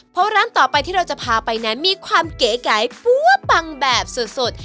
เพราะร้านต่อไปที่เราจะพาไปนั้นมีความเก๋ปั๊วปังแบบสุด